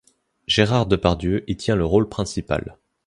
Gérard Depardieu y tient le rôle principal.